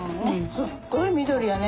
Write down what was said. すっごい緑やね。